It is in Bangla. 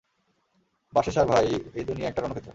বাশেসার ভাই, এই দুনিয়া একটা রণক্ষেত্র।